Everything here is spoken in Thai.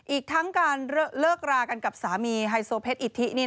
อีกทั้งการเลิกรากันกับสามีไฮโซเพชรอิทธิ